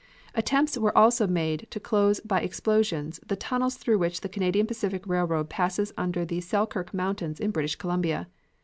Attempts were also made to close by explosions the tunnels through which the Canadian Pacific Railroad passes under the Selkirk Mountains in British Columbia.